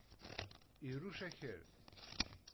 Irucc akal.